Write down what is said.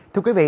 thưa quý vị